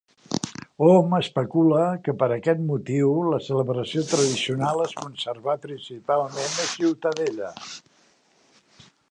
Hom especula que per aquest motiu la celebració tradicional es conservà principalment a Ciutadella.